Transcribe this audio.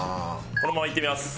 このままいってみます。